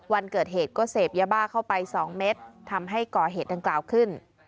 วันเกิดเหตุก็เสพยาบ้าเข้าไป๒เม็ดทำให้ก่อเหตุดังกล่าวขึ้น